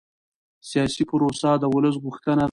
سیاسي پروسه د ولس غوښتنه ده